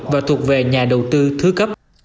và thuộc về nhà đầu tư thứ cấp